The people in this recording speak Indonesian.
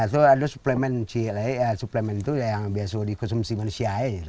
nah itu ada suplemen cilai suplemen itu yang biasa dikonsumsi manusia aja